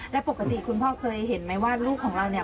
แล้วปกติคุณพ่อเคยเห็นไหมว่าลูกของเราเนี่ย